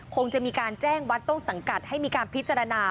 คงจะมีการแจ้งวัดต้นสังกัดให้มีการพิจารณา